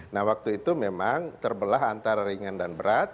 nah waktu itu memang terbelah antara ringan dan berat